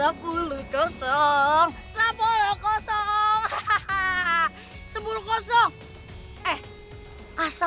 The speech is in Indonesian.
aku mau pulang saja